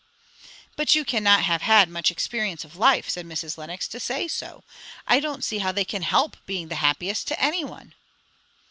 "But you cannot have had much experience of life," said Mrs. Lenox, "to say so. I don't see how they can help being the happiest, to any one."